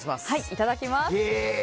いただきます。